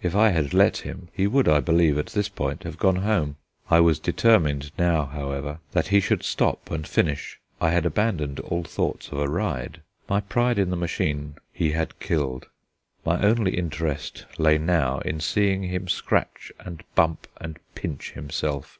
If I had let him, he would, I believe, at this point have gone home. I was determined now, however, that he should stop and finish; I had abandoned all thoughts of a ride. My pride in the machine he had killed. My only interest lay now in seeing him scratch and bump and pinch himself.